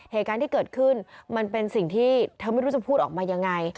เหตุการณ์ที่เกิดขึ้นมันเป็นสิ่งที่เธอไม่รู้จะพูดออกมายังไง